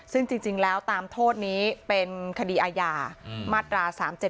ซึ่งจริงแล้วตามโทษนี้เป็นคดีอาญามาตรา๓๗